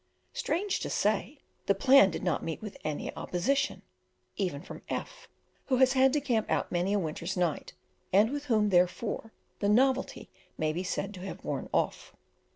Strange to say, the plan did not meet with any opposition, even from F , who has had to camp out many a winter's night, and with whom, therefore, the novelty may be said to have worn off.